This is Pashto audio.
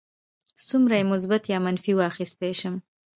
څومره یې مثبت یا منفي واخیستی شم.